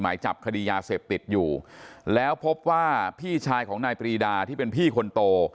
หมายจับคดียาเสพติดอยู่แล้วพบว่าพี่ชายของนายปรีดาที่เป็นพี่คนโต